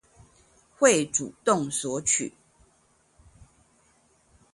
會主動索取